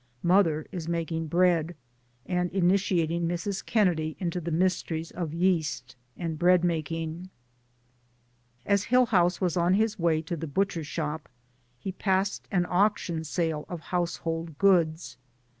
Mother is making bread, and initiating Mrs. Kennedy into the mysteries of yeast and bread making. As Hillhouse was on his way to the butcher shop, he passed an auction sale of household goods.